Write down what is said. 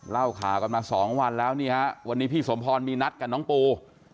เล่าข่าวกันมาสองวันแล้วนี่ฮะวันนี้พี่สมพรมีนัดกับน้องปู